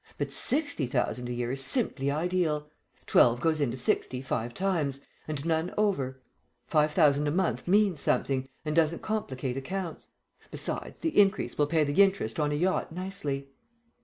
But sixty thousand a year is simply ideal. Twelve goes into sixty five times, and none over five thousand a month means something, and doesn't complicate accounts. Besides, the increase will pay the interest on a yacht nicely."